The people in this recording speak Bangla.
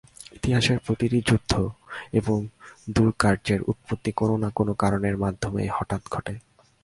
ইতিহাসের প্রতিটি যুদ্ধ এবং দুষ্কার্যের উৎপত্তি কোনো না কোনো কারণের মাধ্যমেই হঠাৎ ঘটে।